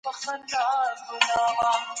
ناروغ باید له نورو لرې وساتل شي.